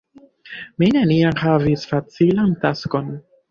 Mi neniam havis facilan taskon.